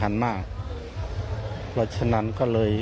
คุณยายบอกว่ารู้สึกเหมือนใครมายืนอยู่ข้างหลัง